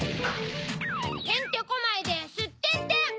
てんてこまいですってんてん！